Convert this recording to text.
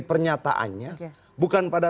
pernyataannya bukan pada